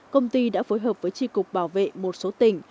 công ty đã phối hợp với tri cục bảo vệ một số tỉnh